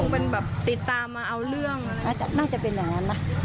เป็นแบบติดตามมาเอาเรื่องน่าจะเป็นอย่างนั้นนะ